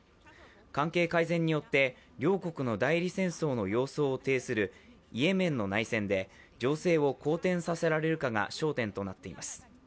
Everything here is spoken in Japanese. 関係改善によって両国の代理戦争の様相を呈するイエメンの内戦で情勢を好転させられるかが焦点となっています。